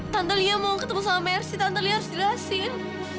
tante lia mau ketemu sama mer sih tante lia harus dirahasiin